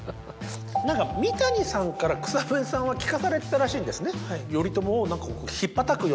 何か三谷さんから草笛さんは聞かされてたらしいんですね。